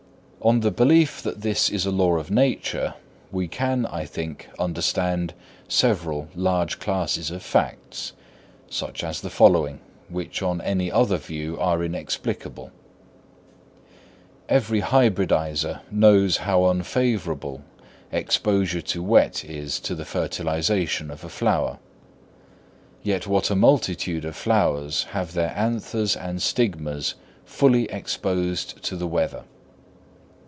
On the belief that this is a law of nature, we can, I think, understand several large classes of facts, such as the following, which on any other view are inexplicable. Every hybridizer knows how unfavourable exposure to wet is to the fertilisation of a flower, yet what a multitude of flowers have their anthers and stigmas fully exposed to the weather!